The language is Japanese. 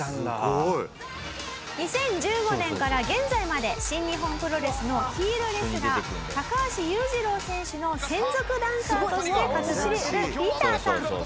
２０１５年から現在まで新日本プロレスのヒールレスラー高橋裕二郎選手の専属ダンサーとして活動するＰＩＥＴＥＲさん。